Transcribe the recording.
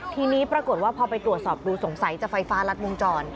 ทีนี้ปรากฏว่าพอไปตรวจสอบดูสงสัยจะไฟฟ้ารัดวงจร